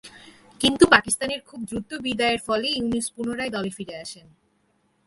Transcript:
কিন্তু, পাকিস্তানের খুব দ্রুত বিদায়ের ফলে ইউনুস পুনরায় দলে ফিরে আসেন।